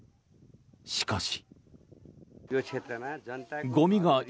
しかし。